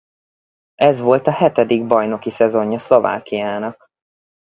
Ez volt a hetedik bajnoki szezonja Szlovákiának.